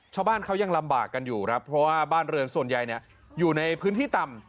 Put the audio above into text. ชาวบ้านเขายังลำบากกันอยู่ครับเพราะว่าบ้านเรือนส่วนใหญ่อยู่ในพื้นที่ต่ำ